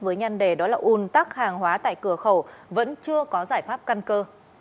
với nhân đề đó là un tắc hàng hóa tại cửa khẩu vẫn chưa có giải pháp căn cơ